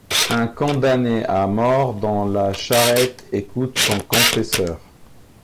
Un condamné à mort dans la charrette écoute son confesseur.